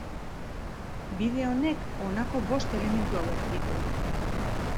Bide honek honako bost elementu hauek ditu.